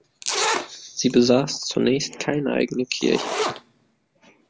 Sie besaß zunächst keine eigene Kirche.